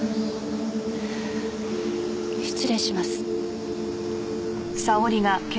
失礼します。